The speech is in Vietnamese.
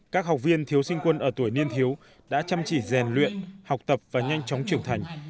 các học viên thiếu sinh quân ở tuổi niên thiếu đã chăm chỉ rèn luyện học tập và nhanh chóng trưởng thành